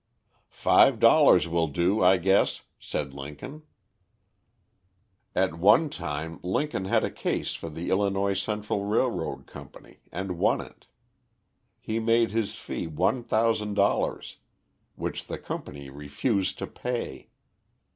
'Five dollars will do, I guess,' said Lincoln." At one time, Lincoln had a case for the Illinois Central Rail road Company, and won it. He made his fee one thousand dollars, which the company refused to pay.